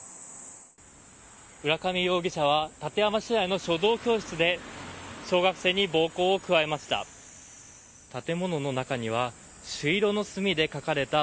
浦上容疑者は館山市内の書道教室で小学生に暴行を加えました。